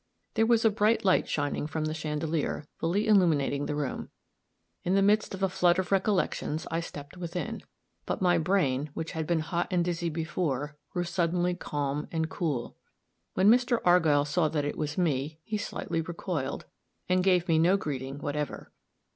There was a bright light shining from the chandelier, fully illuminating the room. In the midst of a flood of recollections, I stepped within; but my brain, which had been hot and dizzy before, grew suddenly calm and cool. When Mr. Argyll saw that it was me, he slightly recoiled, and gave me no greeting whatever.